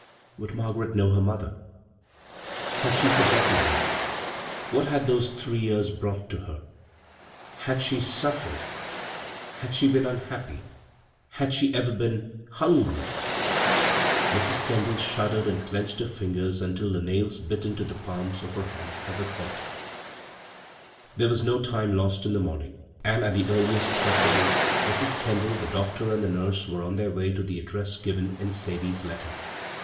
Would Margaret know her mother? Had she forgotten her ? What had those three years brought to her ? Had she suf 87 b, Google CROSS CURRENTS fered? — had she been unhappy? Had she ever been — hingryf Mrs. Kendall shud dered and clenched her fingers until the nails bit into the palms of her hands at the thought There was no time tost in the morning, and at the earliest possible moment Mrs. Kendall, the doctor, and the nurse were on their way to the address given in " Sadie's " letter.